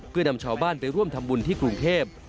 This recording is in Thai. เพื่อนำชาวบ้านไปร่วมทำบุญที่กรุงเทพ